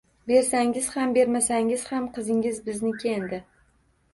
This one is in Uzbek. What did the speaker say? Bersangiz ham, bermasangiz ham qizingiz bizniki, endi